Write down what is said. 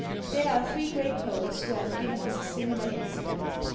There are three great poets who have given us a similar incident.